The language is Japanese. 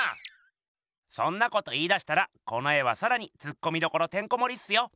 そんなこと言いだしたらこの絵はさらにツッコミどころてんこもりっすよ。